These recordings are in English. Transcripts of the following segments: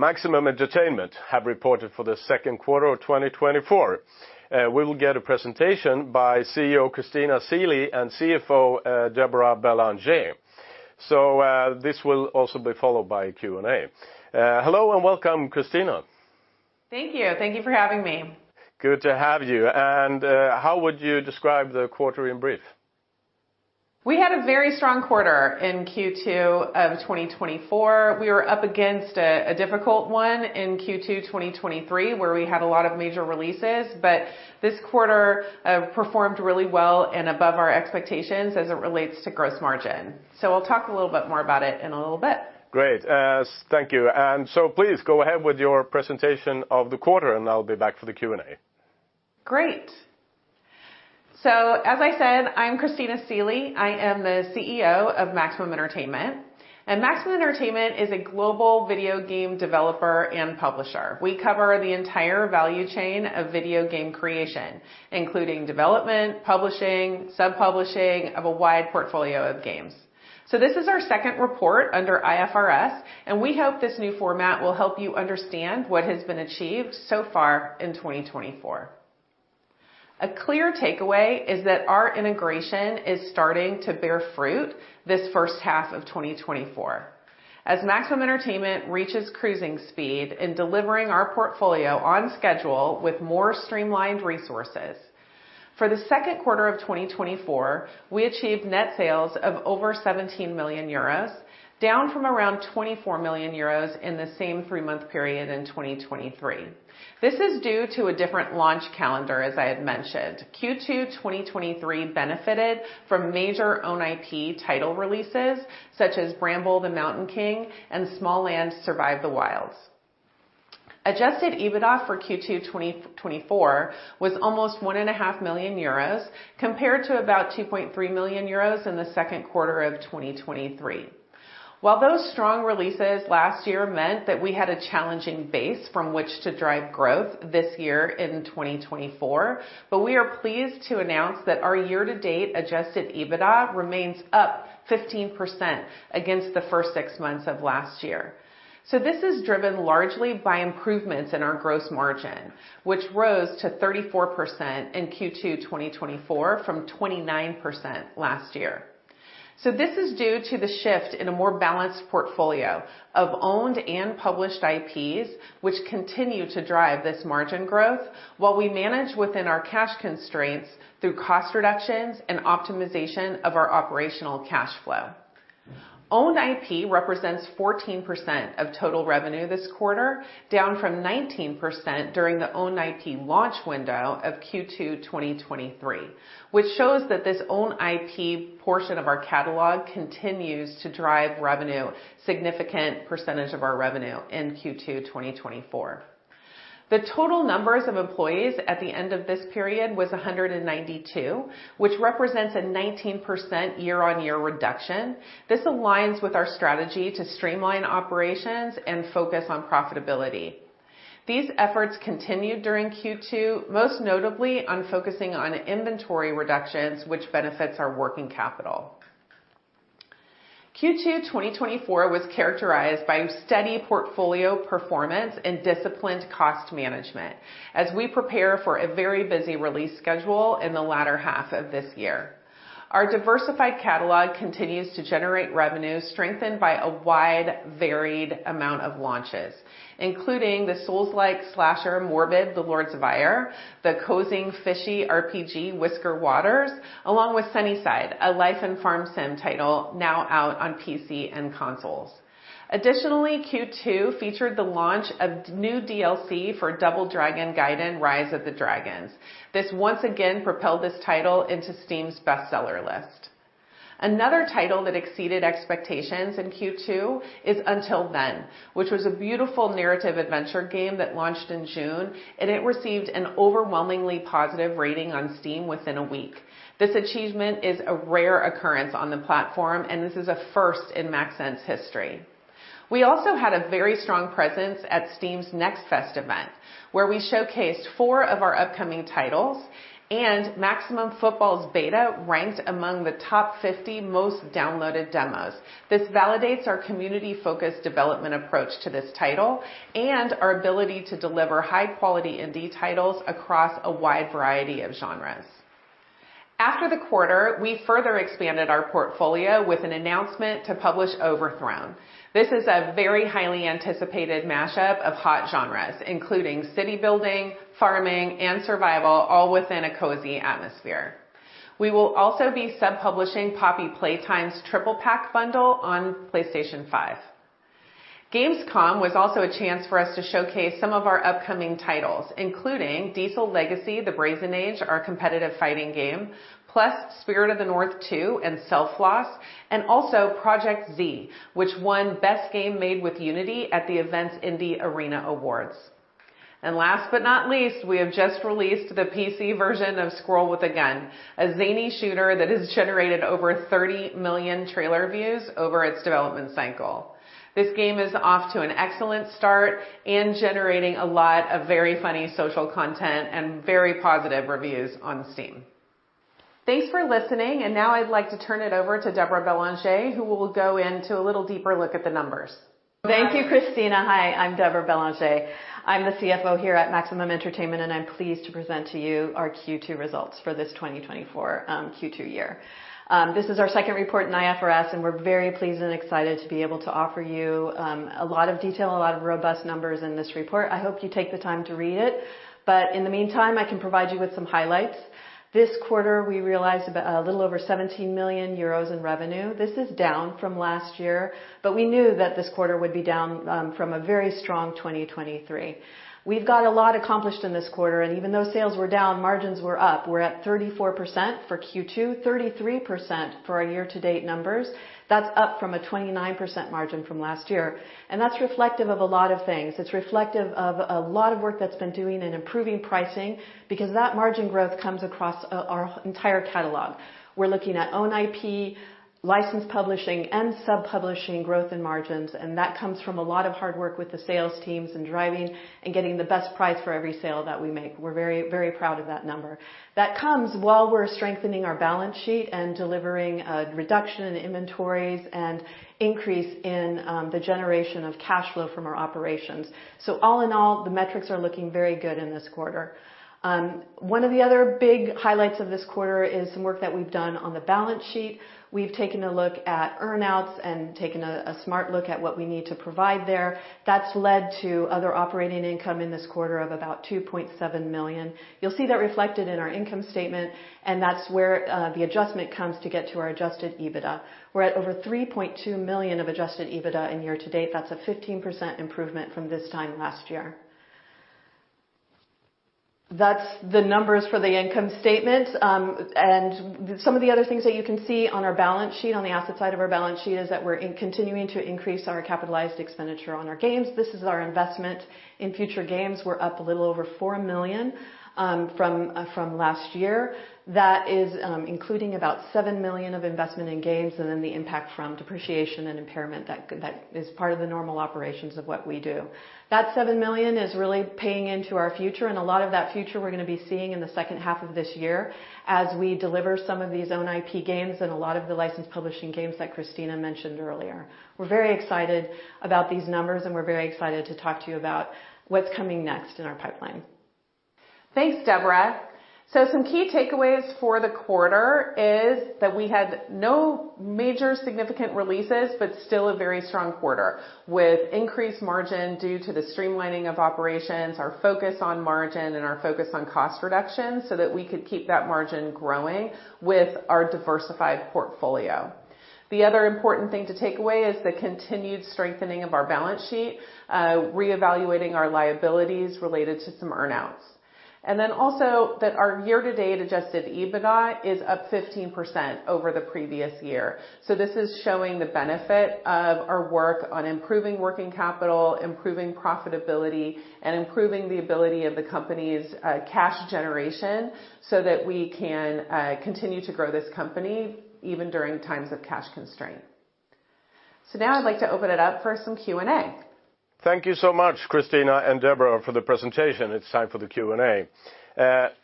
Maximum Entertainment have reported for the second quarter of 2024. We will get a presentation by CEO, Christina Seelye, and CFO, Deborah Bellangé. So, this will also be followed by a Q&A. Hello, and welcome, Christina. Thank you. Thank you for having me. Good to have you, and how would you describe the quarter in brief? We had a very strong quarter in Q2 of 2024. We were up against a difficult one in Q2, 2023, where we had a lot of major releases, but this quarter performed really well and above our expectations as it relates to gross margin. So we'll talk a little bit more about it in a little bit. Great. Thank you. And so please go ahead with your presentation of the quarter, and I'll be back for the Q&A. Great. So as I said, I'm Christina Seelye. I am the CEO of Maximum Entertainment, and Maximum Entertainment is a global video game developer and publisher. We cover the entire value chain of video game creation, including development, publishing, sub-publishing of a wide portfolio of games. So this is our second report under IFRS, and we hope this new format will help you understand what has been achieved so far in 2024. A clear takeaway is that our integration is starting to bear fruit this first half of 2024, as Maximum Entertainment reaches cruising speed in delivering our portfolio on schedule with more streamlined resources. For the second quarter of 2024, we achieved net sales of over 17 million euros, down from around 24 million euros in the same three-month period in 2023. This is due to a different launch calendar, as I had mentioned. Q2 2023 benefited from major own IP title releases, such as Bramble: The Mountain King and Smalland: Survive the Wilds. Adjusted EBITDA for Q2 2024 was almost 1.5 million euros, compared to about 2.3 million euros in the second quarter of 2023. While those strong releases last year meant that we had a challenging base from which to drive growth this year in 2024, but we are pleased to announce that our year-to-date adjusted EBITDA remains up 15% against the first six months of last year. So this is driven largely by improvements in our gross margin, which rose to 34% in Q2 2024, from 29% last year. So this is due to the shift in a more balanced portfolio of owned and published IPs, which continue to drive this margin growth, while we manage within our cash constraints through cost reductions and optimization of our operational cash flow. Owned IP represents 14% of total revenue this quarter, down from 19% during the owned IP launch window of Q2 2023, which shows that this own IP portion of our catalog continues to drive revenue, significant percentage of our revenue in Q2 2024. The total numbers of employees at the end of this period was 192, which represents a 19% year-on-year reduction. This aligns with our strategy to streamline operations and focus on profitability. These efforts continued during Q2, most notably on focusing on inventory reductions, which benefits our working capital. Q2, 2024, was characterized by steady portfolio performance and disciplined cost management as we prepare for a very busy release schedule in the latter half of this year. Our diversified catalog continues to generate revenue, strengthened by a wide, varied amount of launches, including the Souls-like slasher, Morbid: The Lords of Ire, the cozy, fishy RPG, Whisker Waters, along with SunnySide, a life and farm sim title now out on PC and consoles. Additionally, Q2 featured the launch of new DLC for Double Dragon Gaiden: Rise of the Dragons. This once again propelled this title into Steam's bestseller list. Another title that exceeded expectations in Q2 is Until Then, which was a beautiful narrative adventure game that launched in June, and it received an overwhelmingly positive rating on Steam within a week. This achievement is a rare occurrence on the platform, and this is a first in MaxEnt's history. We also had a very strong presence at Steam's Next Fest event, where we showcased four of our upcoming titles, and Maximum Football's beta ranked among the top 50 most downloaded demos. This validates our community-focused development approach to this title and our ability to deliver high-quality indie titles across a wide variety of genres. After the quarter, we further expanded our portfolio with an announcement to publish Overthrown. This is a very highly anticipated mashup of hot genres, including city building, farming, and survival, all within a cozy atmosphere. We will also be sub-publishing Poppy Playtime's Triple Pack bundle on PlayStation 5. Gamescom was also a chance for us to showcase some of our upcoming titles, including Diesel Legacy: The Brazen Age, our competitive fighting game, plus Spirit of the North 2 and Selfloss, and also Project Z, which won Best Game Made with Unity at the event's Indie Arena Awards. And last but not least, we have just released the PC version of Squirrel with a Gun, a zany shooter that has generated over 30 million trailer views over its development cycle. This game is off to an excellent start and generating a lot of very funny social content and very positive reviews on Steam. Thanks for listening, and now I'd like to turn it over to Deborah Bellangé, who will go into a little deeper look at the numbers. Thank you, Christina. Hi, I'm Deborah Bellangé. I'm the CFO here at Maximum Entertainment, and I'm pleased to present to you our Q2 results for this 2024 Q2 year. This is our second report in IFRS, and we're very pleased and excited to be able to offer you a lot of detail, a lot of robust numbers in this report. I hope you take the time to read it. But in the meantime, I can provide you with some highlights. This quarter, we realized a little over 17 million euros in revenue. This is down from last year, but we knew that this quarter would be down from a very strong 2023. We've got a lot accomplished in this quarter, and even though sales were down, margins were up. We're at 34% for Q2, 33% for our year-to-date numbers. That's up from a 29% margin from last year, and that's reflective of a lot of things. It's reflective of a lot of work that's been doing in improving pricing, because that margin growth comes across our entire catalog. We're looking at own IP, licensed publishing, and sub-publishing growth in margins, and that comes from a lot of hard work with the sales teams and driving and getting the best price for every sale that we make. We're very, very proud of that number. That comes while we're strengthening our balance sheet and delivering a reduction in inventories and increase in the generation of cash flow from our operations. So all in all, the metrics are looking very good in this quarter. One of the other big highlights of this quarter is some work that we've done on the balance sheet. We've taken a look at earn-outs and taken a smart look at what we need to provide there. That's led to other operating income in this quarter of about 2.7 million. You'll see that reflected in our income statement, and that's where the adjustment comes to get to our Adjusted EBITDA. We're at over 3.2 million of Adjusted EBITDA year-to-date. That's a 15% improvement from this time last year. That's the numbers for the income statement. And some of the other things that you can see on our balance sheet, on the asset side of our balance sheet, is that we're continuing to increase our capitalized expenditure on our games. This is our investment in future games. We're up a little over 4 million from last year. That is, including about seven million of investment in games and then the impact from depreciation and impairment that is part of the normal operations of what we do. That seven million is really paying into our future, and a lot of that future we're gonna be seeing in the second half of this year as we deliver some of these own IP games and a lot of the licensed publishing games that Christina mentioned earlier. We're very excited about these numbers, and we're very excited to talk to you about what's coming next in our pipeline. Thanks, Deborah, so some key takeaways for the quarter is that we had no major significant releases, but still a very strong quarter, with increased margin due to the streamlining of operations, our focus on margin, and our focus on cost reduction so that we could keep that margin growing with our diversified portfolio. The other important thing to take away is the continued strengthening of our balance sheet, reevaluating our liabilities related to some earn-outs, and then also, that our year-to-date Adjusted EBITDA is up 15% over the previous year, so this is showing the benefit of our work on improving working capital, improving profitability, and improving the ability of the company's cash generation so that we can continue to grow this company even during times of cash constraint, so now I'd like to open it up for some Q&A. Thank you so much, Christina and Deborah, for the presentation. It's time for the Q&A.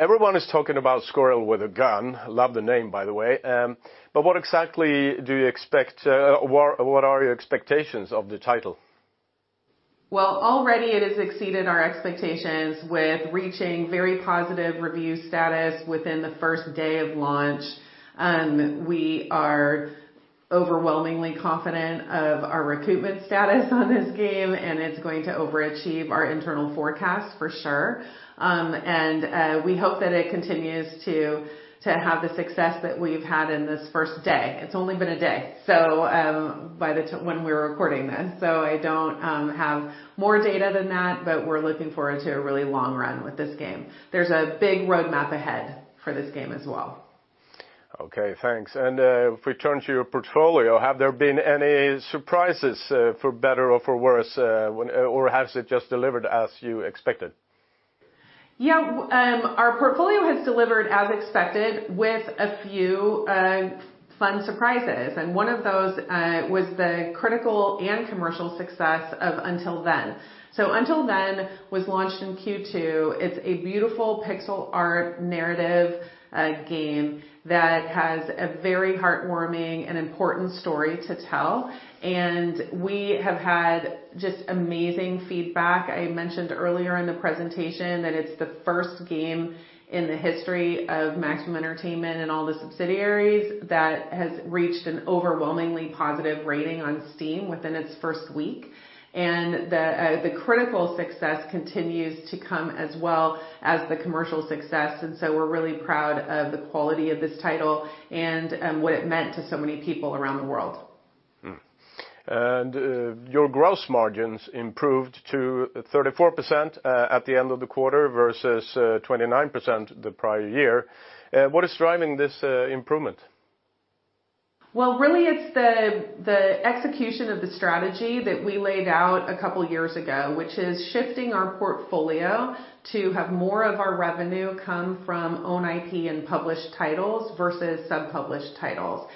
Everyone is talking about Squirrel with a Gun. Love the name, by the way. But what exactly do you expect, or what are your expectations of the title? Already it has exceeded our expectations with reaching very positive review status within the first day of launch. We are overwhelmingly confident of our recoupment status on this game, and it's going to overachieve our internal forecast for sure. We hope that it continues to have the success that we've had in this first day. It's only been a day, so when we're recording this. I don't have more data than that, but we're looking forward to a really long run with this game. There's a big roadmap ahead for this game as well. Okay, thanks. And if we turn to your portfolio, have there been any surprises, for better or for worse, or has it just delivered as you expected? Yeah, our portfolio has delivered as expected with a few fun surprises, and one of those was the critical and commercial success of Until Then, so Until Then was launched in Q2. It's a beautiful pixel art narrative game that has a very heartwarming and important story to tell, and we have had just amazing feedback. I mentioned earlier in the presentation that it's the first game in the history of Maximum Entertainment and all the subsidiaries that has reached an overwhelmingly positive rating on Steam within its first week, and the critical success continues to come as well as the commercial success, and so we're really proud of the quality of this title and what it meant to so many people around the world. Your gross margins improved to 34% at the end of the quarter versus 29% the prior year. What is driving this improvement? Really, it's the execution of the strategy that we laid out a couple of years ago, which is shifting our portfolio to have more of our revenue come from own IP and published titles versus sub-published titles.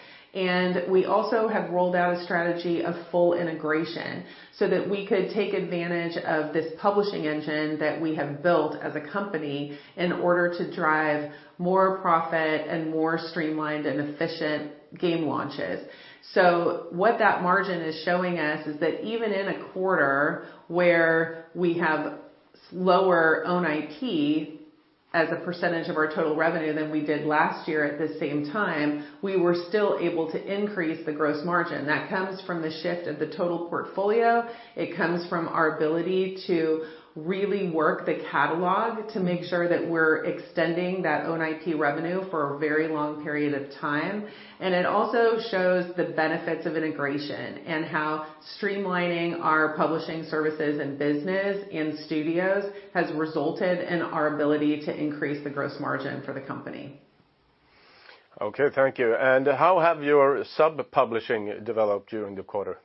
We also have rolled out a strategy of full integration so that we could take advantage of this publishing engine that we have built as a company in order to drive more profit and more streamlined and efficient game launches. What that margin is showing us is that even in a quarter where we have slower own IP as a percentage of our total revenue than we did last year at the same time, we were still able to increase the gross margin. That comes from the shift of the total portfolio. It comes from our ability to really work the catalog to make sure that we're extending that own IP revenue for a very long period of time. And it also shows the benefits of integration and how streamlining our publishing services and business and studios has resulted in our ability to increase the gross margin for the company. Okay, thank you. And how have your sub-publishing developed during the quarter?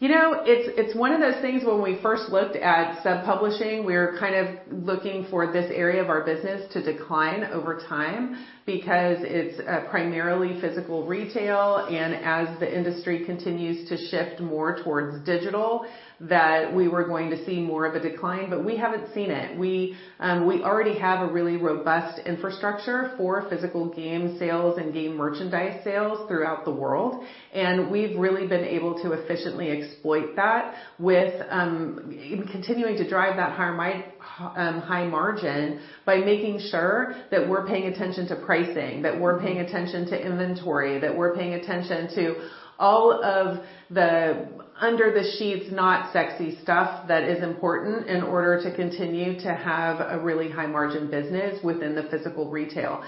You know, it's one of those things when we first looked at sub-publishing, we were kind of looking for this area of our business to decline over time because it's primarily physical retail, and as the industry continues to shift more towards digital, that we were going to see more of a decline, but we haven't seen it. We already have a really robust infrastructure for physical game sales and game merchandise sales throughout the world, and we've really been able to efficiently exploit that with continuing to drive that high margin by making sure that we're paying attention to pricing, that we're paying attention to inventory, that we're paying attention to all of the under the sheets, not sexy stuff that is important in order to continue to have a really high margin business within the physical retail.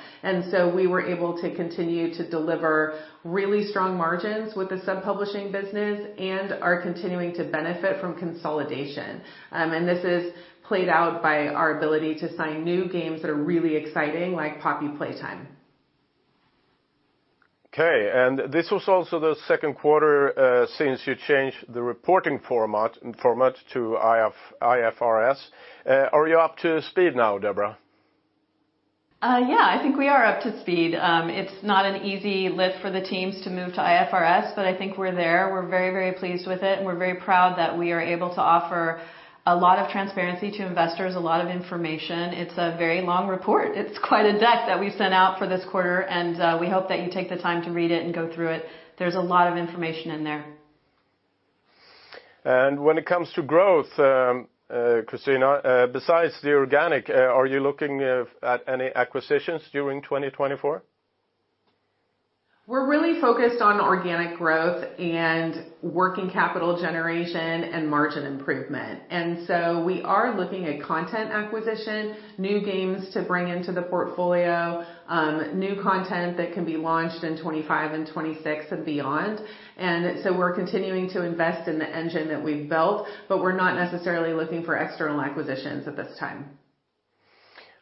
We were able to continue to deliver really strong margins with the sub-publishing business and are continuing to benefit from consolidation. This is played out by our ability to sign new games that are really exciting, like Poppy Playtime. Okay, and this was also the second quarter since you changed the reporting format to IFRS. Are you up to speed now, Deborah? Yeah, I think we are up to speed. It's not an easy lift for the teams to move to IFRS, but I think we're there. We're very, very pleased with it, and we're very proud that we are able to offer a lot of transparency to investors, a lot of information. It's a very long report. It's quite a deck that we sent out for this quarter, and we hope that you take the time to read it and go through it. There's a lot of information in there. When it comes to growth, Christina, besides the organic, are you looking at any acquisitions during 2024? We're really focused on organic growth and working capital generation and margin improvement, and so we are looking at content acquisition, new games to bring into the portfolio, new content that can be launched in 2025 and 2026 and beyond, and so we're continuing to invest in the engine that we've built, but we're not necessarily looking for external acquisitions at this time.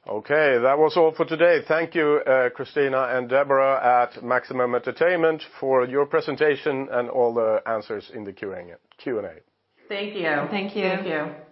Okay, that was all for today. Thank you, Christina and Deborah at Maximum Entertainment for your presentation and all the answers in the Q&A. Thank you. Thank you. Thank you.